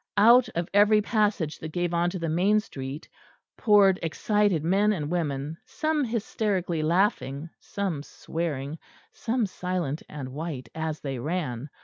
Out of every passage that gave on to the main street poured excited men and women, some hysterically laughing, some swearing, some silent and white as they ran.